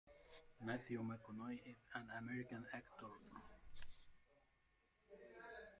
Matthew McConaughey is an American actor.